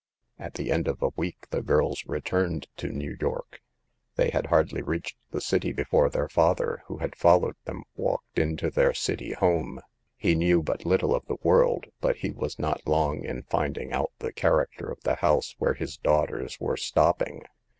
" At the end of a week the girls returned to New York. They had hardly reached the city before their father, who had followed them, walked into their city home. . He knew but little of the world, but he was not long in finding out the character of the house where Ms daughters were stopping.